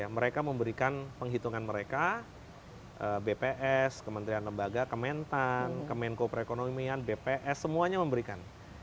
mereka memberikan penghitungan mereka bps kementerian lembaga kementan kemenko perekonomian bps semuanya memberikan